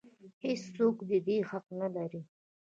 هېڅ څوک د دې حق نه لري.